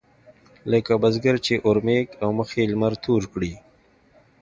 لکه بزګر چې اورمېږ او مخ يې لمر تور کړي.